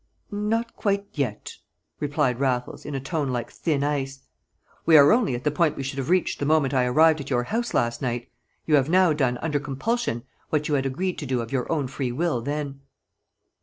"Not quite yet," replied Raffles, in a tone like thin ice. "We are only at the point we should have reached the moment I arrived at your house last night; you have now done under compulsion what you had agreed to do of your own free will then."